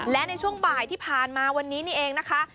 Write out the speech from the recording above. และในช่วงบ่ายที่ผ่านมาวันนี้นี่เองนะคะ